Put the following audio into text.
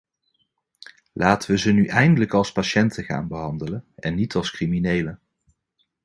Laten we ze nu eindelijk als patiënten gaan behandelen, en niet als criminelen.